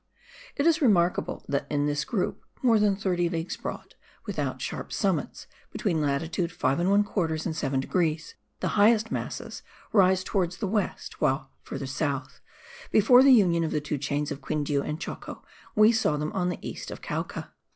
It is remarkable that in this group, more than 30 leagues broad, without sharp summits, between latitude 5 1/4 and 7 degrees, the highest masses rise towards the west; while, further south, before the union of the two chains of Quindiu and Choco, we saw them on the east of Cauca.